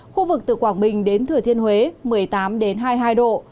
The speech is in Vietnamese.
khu vực từ quảng bình đến thừa thiên huế một mươi tám hai mươi hai độ